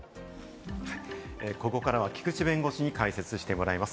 ここからは菊地弁護士に解説してもらいます。